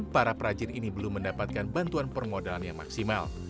para perajin ini belum mendapatkan bantuan permodalan yang maksimal